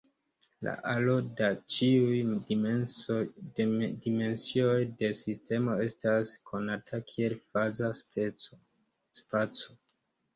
La aro da ĉiuj dimensioj de sistemo estas konata kiel faza spaco.